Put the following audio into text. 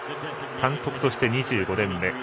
監督として２５年目。